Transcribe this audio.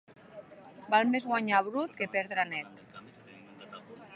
Val més guanyar brut que perdre net.